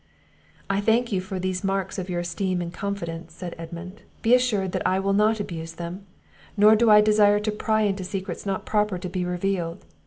"I thank you for these marks of your esteem and confidence," said Edmund; "be assured that I will not abuse them; nor do I desire to pry into secrets not proper to be revealed.